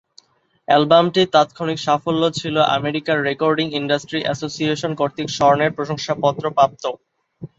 অ্যালবামটি তাত্ক্ষণিক সাফল্য ছিল, আমেরিকার রেকর্ডিং ইন্ডাস্ট্রি অ্যাসোসিয়েশন কর্তৃক স্বর্ণের শংসাপত্র প্রাপ্ত।